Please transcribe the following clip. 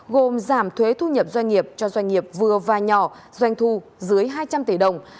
gồm giảm thuế thu nhập doanh nghiệp cho doanh nghiệp vừa và nhỏ doanh thu dưới hai trăm linh tỷ đồng